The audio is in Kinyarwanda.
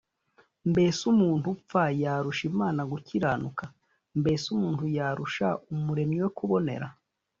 ‘mbese umuntu upfa yarusha imana gukiranuka’ mbese umuntu yarusha umuremyi we kubonera’’